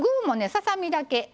ささ身だけ。